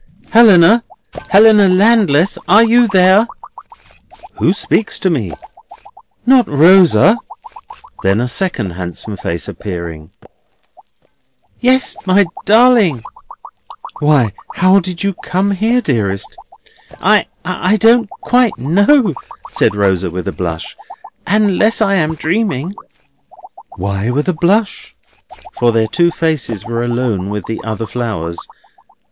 "Helena! Helena Landless! Are you there?" "Who speaks to me? Not Rosa?" Then a second handsome face appearing. "Yes, my darling!" "Why, how did you come here, dearest?" "I—I don't quite know," said Rosa with a blush; "unless I am dreaming!" Why with a blush? For their two faces were alone with the other flowers.